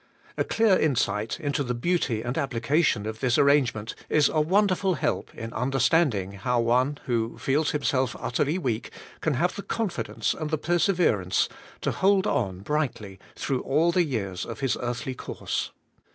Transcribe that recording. A clear insight into the beauty and application of this arrangement is a wonderful help in understanding how one, who feels himself utterly weak, can have the confidence and the perseverance to hold on brightly through all the years of his earthly course.